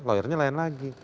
lawyernya lain lagi